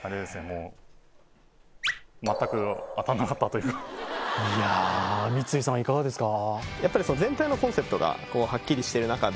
もういやあ三井さんはいかがですか？